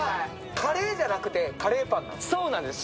カレーじゃなくてカレーパンなのね。